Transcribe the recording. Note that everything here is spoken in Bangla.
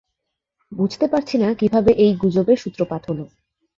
বুঝতে পারছি না কিভাবে এই গুজবের সূত্রপাত হলো।